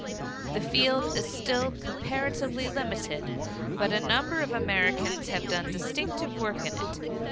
The field is still comparatively limited, but a number of Americans have done distinctive work in it.